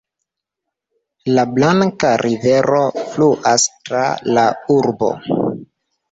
La Blanka Rivero fluas tra la urbo.